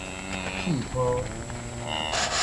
氣泡